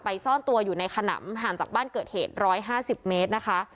ซ่อนตัวอยู่ในขนำห่างจากบ้านเกิดเหตุ๑๕๐เมตรนะคะ